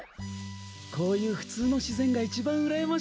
こういうふつうのしぜんがいちばんうらやましいなあ。